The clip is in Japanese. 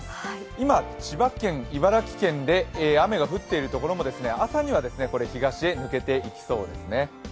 今、千葉県、茨城県で雨が降っている所も朝には東へ抜けていきそうですね。